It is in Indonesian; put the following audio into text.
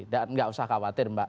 dan tidak usah khawatir mbak